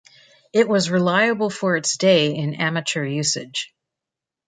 It was reliable for its day in amateur usage.